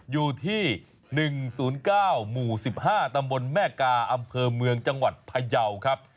อยู่ที่๑๐๙หมู่๑๕ตำบลแม่กาอำเภอเมืองจังหวัดพยาวครับ